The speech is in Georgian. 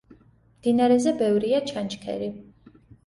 მდინარეზე ბევრია ჩანჩქერი.